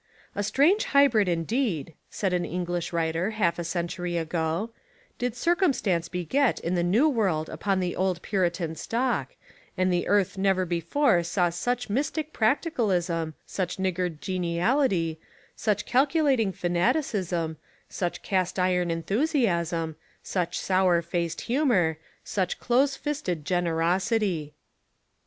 "A strange hybrid indeed," said an English writer half a century ago, "did circumstance beget in the new world upon the old Puritan stock, and the earth never before saw such mystic practicalism, such niggard geniality, such calculating fanaticism, such cast iron enthusiasm, such sour faced humour, such close fisted generosity."